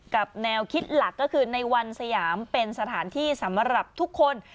แนวคิดหลักก็คือในวันสยามเป็นสถานที่สำหรับทุกคน